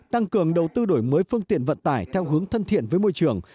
tăng cường đầu tư đổi mới phương tiện vận tải theo hướng thân thiện với môi trường